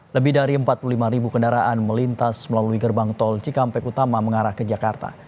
lebih dari empat puluh lima ribu kendaraan melintas melalui gerbang tol cikampek utama mengarah ke jakarta